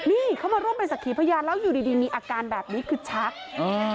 นี่เขามาร่วมเป็นสักขีพยานแล้วอยู่ดีดีมีอาการแบบนี้คือชักอ่า